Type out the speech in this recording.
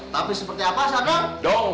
tapi seperti apa sadung